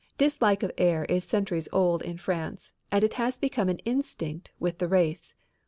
Dislike of air is centuries old in France and it has become an instinct with the race.